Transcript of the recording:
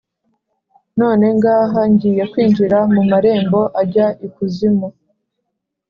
none ngaha ngiye kwinjira mu marembo ajya ikuzimu,